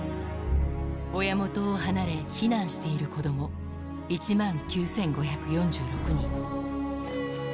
親元を離れ避難している子ども１万９５４６人。